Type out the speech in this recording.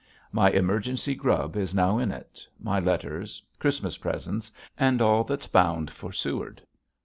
My emergency grub is now in it, my letters, Christmas presents, and all that's bound for Seward.